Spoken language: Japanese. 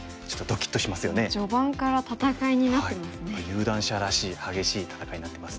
有段者らしい激しい戦いになってますね。